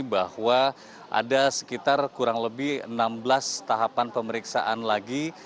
bahwa ada sekitar kurang lebih enam belas tahapan pemeriksaan lagi